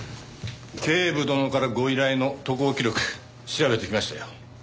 警部殿からご依頼の渡航記録調べてきましたよ。